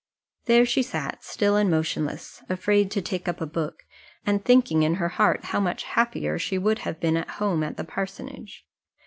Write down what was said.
There she sat, still and motionless, afraid to take up a book, and thinking in her heart how much happier she would have been at home at the parsonage.